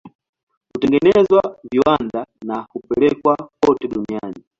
Hutengenezwa viwandani na kupelekwa kote duniani.